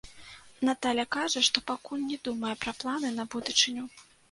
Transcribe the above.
Наталля кажа, што пакуль не думае пра планы на будучыню.